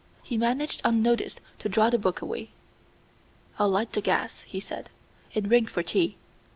He managed unnoticed to draw the book away. "I'll light the gas," he said, "and ring for tea."